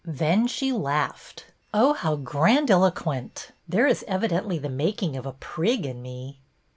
Then she laughed. " Oh, how grandiloquent ! There is evidently the making of a prig in me."